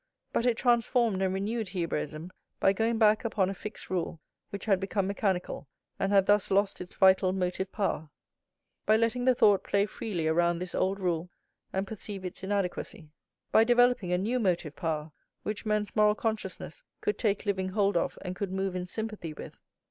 But it transformed and renewed Hebraism by going back upon a fixed rule, which had become mechanical, and had thus lost its vital motive power; by letting the thought play freely around this old rule, and perceive its inadequacy; by developing a new motive power, which men's moral consciousness could take living hold of, and could move in sympathy with.